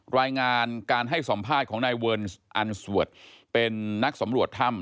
รายงานการให้สัมภาษณ์ของนายเวิร์นอันสวดเป็นนักสำรวจถ้ำ